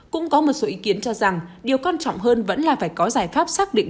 cũng có một số ý kiến cho rằng điều quan trọng hơn vẫn là phải có giải pháp xác định